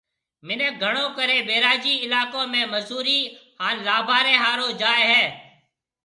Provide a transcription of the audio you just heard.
مِنک گھڻو ڪرَي بئيراجي علائقون ۾ مزوري ھان لاڀارَي ھارُو جائيَ ھيََََ